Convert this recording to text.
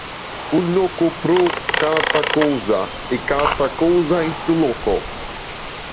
Un loco pro cata cosa, e cata cosa in su loco.